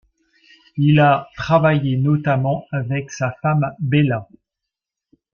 Il a travaillé notamment avec sa femme Bella.